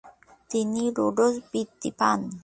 তিনি রোড্স বৃত্তি পান।